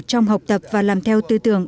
trong học tập và làm theo tư tưởng